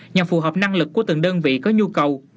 nhằm phù hợp năng lực của từng đơn vị có nhu cầu